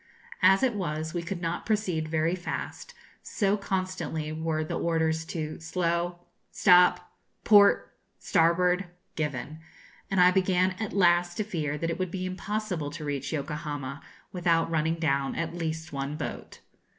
As it was, we could not proceed very fast, so constantly were the orders to 'slow,' 'stop,' 'port,' 'starboard,' given; and I began at last to fear that it would be impossible to reach Yokohama without running down at least one boat.